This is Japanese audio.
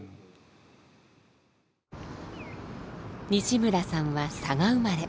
西村さんは佐賀生まれ。